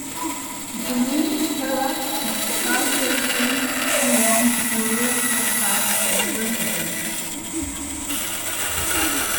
The main terrace is privately beyond the rear facade of the residence.